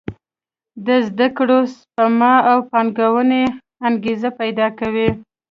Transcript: د زده کړو، سپما او پانګونې انګېزې پېدا کوي.